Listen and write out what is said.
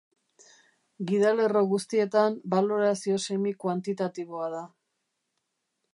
Gidalerro guztietan balorazio semi-kuantitatiboa da.